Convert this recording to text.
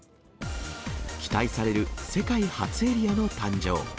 期待される、世界初エリアの誕生。